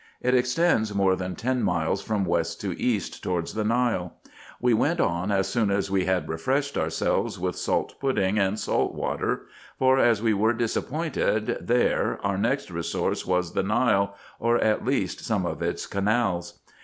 It extends more than ten miles from west to east towards the Nile. We went on as soon as we had refreshed ourselves with salt pudding and salt water ; for as we were disappointed there, our next resource was the Nile, or at least some of its canals.